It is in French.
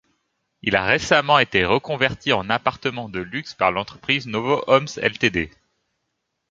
Il a récemment été reconverti en appartements de luxe par l'entreprise Novo Homes Ltd.